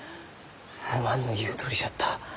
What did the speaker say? おまんの言うとおりじゃった。